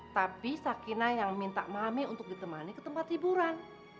tapi sakina yang minta mami untuk ditemani ke tempat hiburan